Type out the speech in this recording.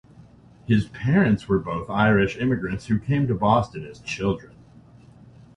His parents were both Irish immigrants who came to Boston as children.